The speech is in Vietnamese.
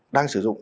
sản xuất chứa sâu